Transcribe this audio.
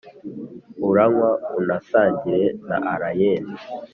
uranywa unasangire na allayne.